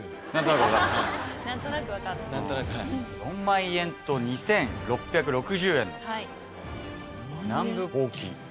４万円と２６６０円の南部箒。